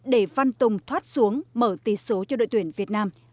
để văn tùng thoát xuống mở tỷ số cho đội tuyển việt nam